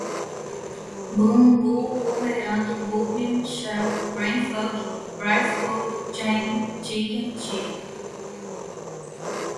bon, boo, boomerang, bourne shell, brainfuck, brief code, chain, chicken, chill